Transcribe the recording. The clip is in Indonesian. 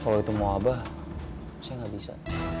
kalau itu mau wabah saya nggak bisa